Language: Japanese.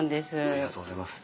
ありがとうございます。